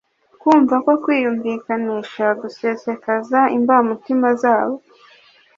kumva no kwiyumvikanisha, gusesekaza imbamutima zabo